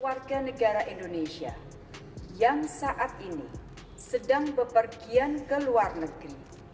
warga negara indonesia yang saat ini sedang bepergian ke luar negeri